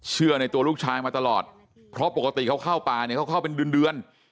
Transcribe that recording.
ในตัวลูกชายมาตลอดเพราะปกติเขาเข้าป่าเนี่ยเขาเข้าเป็นเดือน